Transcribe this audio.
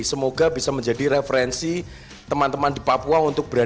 semoga bisa menjadi referensi teman teman di papua untuk berada